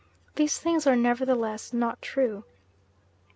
These things are nevertheless not true.